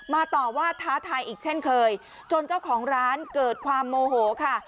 ต่อว่าท้าทายอีกเช่นเคยจนเจ้าของร้านเกิดความโมโหค่ะ